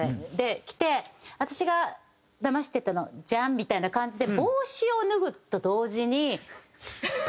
来て「私がだましてたの」ジャン！みたいな感じで帽子を脱ぐと同時にスポン！って。